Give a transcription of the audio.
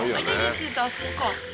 あそこか。